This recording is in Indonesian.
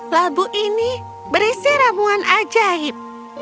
labu ini berisi ramuan ajaib